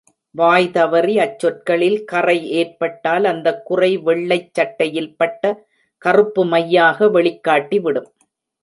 வாய்தவறி அச்சொற்களில் கறை ஏற்பட்டால் அந்தக் குறை வெள்ளைச் சட்டையில் பட்ட கறுப்பு மையாக வெளிக்காட்டி விடும்.